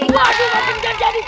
aduh jangan jadi